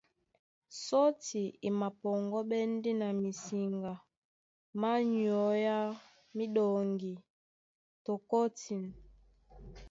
Sɔ́ti e mapɔŋgɔ́ɓɛ́ ndé na misiŋga má nyɔ́ á míɗɔŋgi tɔ kɔ́tin.